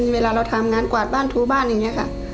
เวลาเราทำงานกวาดบ้านทูบ้านอย่างนี้ค่ะ